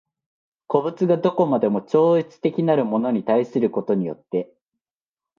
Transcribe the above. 個物が何処までも超越的なるものに対することによって